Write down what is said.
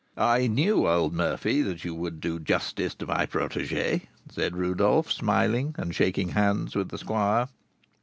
"I knew, old Murphy, that you would do justice to my protégée," said Rodolph, smiling, and shaking hands with the squire.